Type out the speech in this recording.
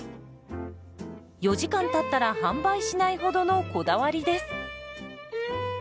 ４時間たったら販売しないほどのこだわりです。